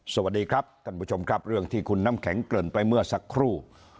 สวัสดีครับท่านผู้ชมครับเรื่องที่คุณน้ำแข็งเกริ่นไปเมื่อสักครู่